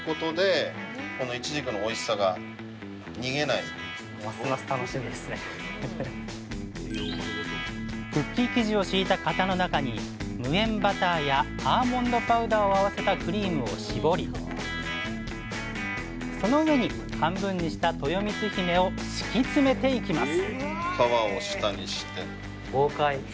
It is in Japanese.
主役のとよみつひめはクッキー生地を敷いた型の中に無塩バターやアーモンドパウダーを合わせたクリームを絞りその上に半分にしたとよみつひめを敷き詰めていきます